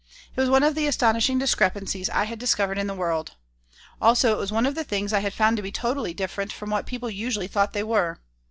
It was one of the astonishing discrepancies I had discovered in the world. Also, it was one of the things I had found to be totally different from what people usually thought they were.